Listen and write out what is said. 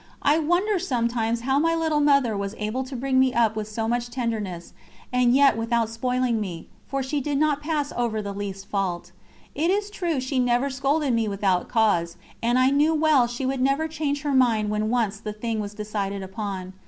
I wonder sometimes how my little Mother was able to bring me up with so much tenderness, and yet without spoiling me, for she did not pass over the least fault. It is true she never scolded me without cause, and I knew well she would never change her mind when once a thing was decided upon.